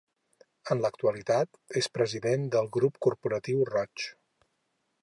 En l'actualitat és president del Grup Corporatiu Roig.